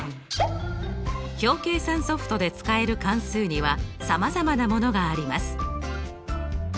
表計算ソフトで使える関数にはさまざまなものがあります。